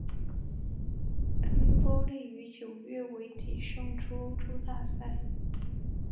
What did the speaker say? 恩波利于九月尾底胜出欧洲大赛。